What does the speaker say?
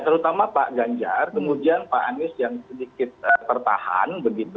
terutama pak ganjar kemudian pak anies yang sedikit tertahan